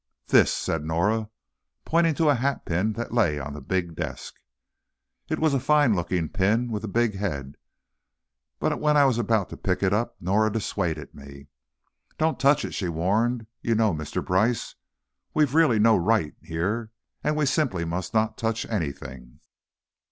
"This," and Norah pointed to a hatpin that lay on the big desk. It was a fine looking pin, with a big head, but when I was about to pick it up Norah dissuaded me. "Don't touch it," she warned; "you know, Mr. Brice, we've really no right here and we simply must not touch anything."